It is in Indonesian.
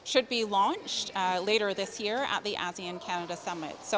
harus diluncurkan pada asean kanada summit tahun ini